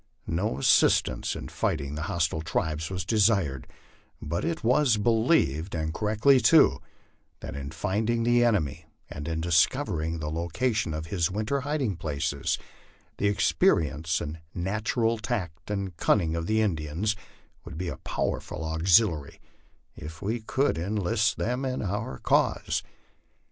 No assistance in fighting the hostile tribes was desired, but it was believed, and correctly too, that in finding the enemy and in discovering the location of his winter hiding places, the experi ence and natural tact and cunning of the Indians would be a powerful auxil iary if we could enlist them in our cause.